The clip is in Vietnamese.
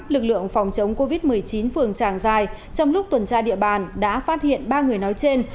lực lượng phòng chống covid một mươi chín phường tràng dài trong lúc tuần tra địa bàn đã phát hiện ba người nói trên